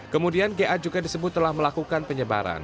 kemudian ga juga disebut telah melakukan penyebaran